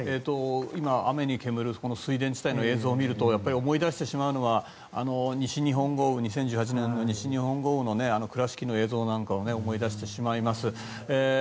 今、雨に煙る水田地帯の映像を見るとやっぱり思い出してしまうのは２０１８年の西日本豪雨の倉敷の映像なんかを思い出してしまいます。